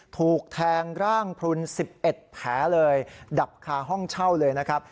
ถูกแทงร่างพลุน๑๑แผลเลยดับคาห้องเช่าเลยนะครับ